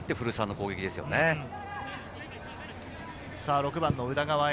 ６番の宇田川瑛